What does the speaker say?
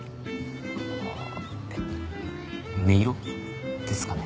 あぁえっ音色？ですかね。